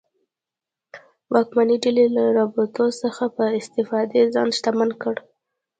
واکمنې ډلې له روابطو څخه په استفادې ځان شتمن کړ.